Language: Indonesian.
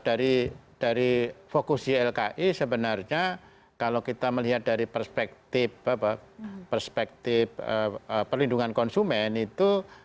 dari fokus ylki sebenarnya kalau kita melihat dari perspektif perspektif perlindungan konsumen itu